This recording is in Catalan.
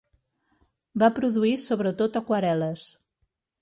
Va produir sobretot aquarel·les.